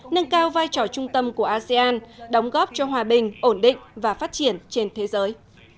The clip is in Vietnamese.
nâng cao vai trò trung tâm của asean đóng góp cho hòa bình ổn định và phát triển trên thế giới